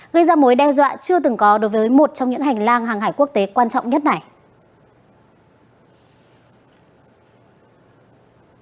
gây ra mối đe dọa chưa từng có đối với một trong những hành lang hàng hải quốc tế quan trọng nhất này